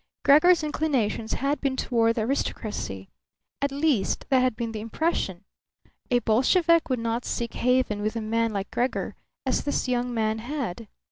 Gregor's inclinations had been toward the aristocracy; at least, that had been the impression. A Bolshevik would not seek haven with a man like Gregor, as this young man had.